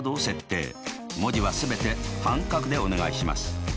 文字は全て半角でお願いします。